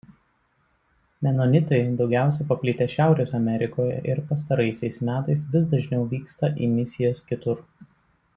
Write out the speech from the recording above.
Menonitai daugiausia paplitę Šiaurės Amerikoje ir pastaraisiais metais vis dažniau vyksta į misijas kitur.